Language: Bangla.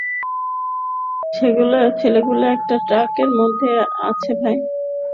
ছেলেগুলো একটা ট্রাকের মধ্যে আছে, ভাই।